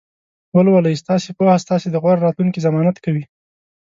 ولولئ! ستاسې پوهه ستاسې د غوره راتلونکي ضمانت کوي.